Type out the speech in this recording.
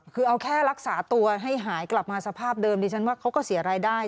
คือเอาแค่รักษาตัวให้หายกลับมาสภาพเดิมดิฉันว่าเขาก็เสียรายได้